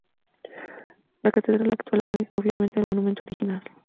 La catedral actual no es, obviamente, el monumento original.